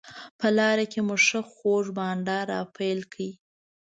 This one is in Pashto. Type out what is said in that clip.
په لاره کې مو ښه خوږ بانډار راپیل کړ.